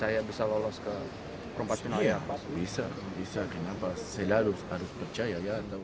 ya bisa kenapa saya harus percaya